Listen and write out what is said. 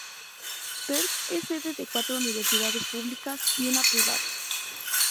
Perth es sede de cuatro universidades públicas y una privada.